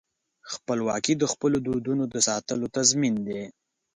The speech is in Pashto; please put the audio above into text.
خپلواکي د خپلو دودونو د ساتلو تضمین دی.